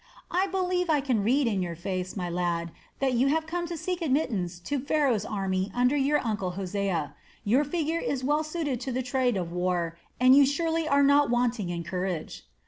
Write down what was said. "I believe I can read in your face, my lad, that you have come to seek admittance to Pharaoh's army under your uncle Hosea. Your figure is well suited to the trade of war, and you surely are not wanting in courage."